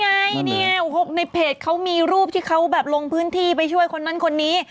ไงเนี่ยในเพจเขามีรูปที่เขาแบบลงพื้นที่ไปช่วยคนนั้นคนนี้